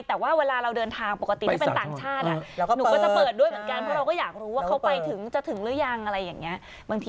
แล้วเวลาเราเดินทางปกติจะเป็นต่างชาติ